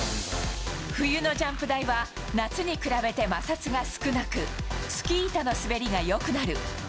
冬のジャンプ台は、夏に比べて摩擦が少なく、スキー板の滑りがよくなる。